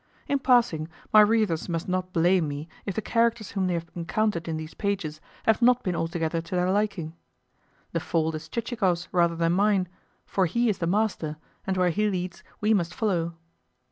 In passing, my readers must not blame me if the characters whom they have encountered in these pages have not been altogether to their liking. The fault is Chichikov's rather than mine, for he is the master, and where he leads we must follow.